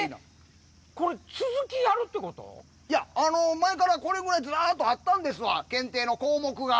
前からこれぐらいずらっとあったんですわ検定の項目が。